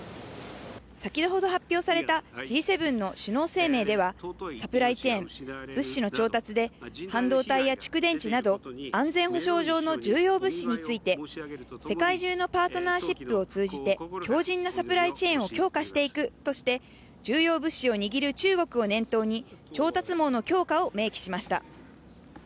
先ほど発表されたＧ７の首脳声明では、サプライチェーン・物資の調達で、半導体や蓄電池など、安全保障上の重要物資について、世界中のパートナーシップを通じて、強じんなサプライチェーンを強化していくとして、重要物資を握る中国を念頭に、調達網の強化を明記しました。